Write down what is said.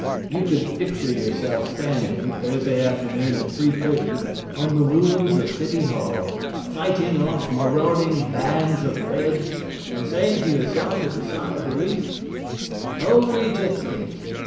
You can picture yourself standing, Thursday afternoon at 3.30 on the ruins of the City Hall, fighting off marauding bands of reds, and saying to yourself, with a sigh of relief: "Only to think!